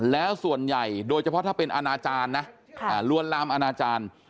แล้วส่วนใหญ่โดยเฉพาะถ้าเป็นอนาจารย์นะลวนลามอนาจารย์